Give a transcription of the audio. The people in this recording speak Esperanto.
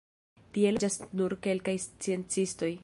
Tie loĝas nur kelkaj sciencistoj.